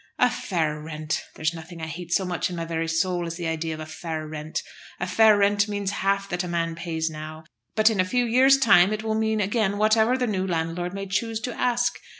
A fair rent! There's nothing I hate so much in my very soul as the idea of a fair rent. A fair rent means half that a man pays now; but in a few years' time it will mean again whatever the new landlord may choose to ask.